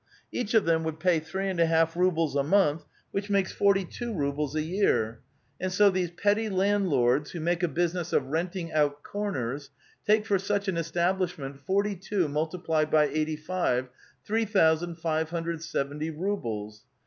Each of them would pay three and a half rubles a month, which makes forty two rubles a year. And so these petty land lords, who make a business of renting out ' corners,' take for such an establishment forty two multiplied by eighty five, — 3,570 rubles.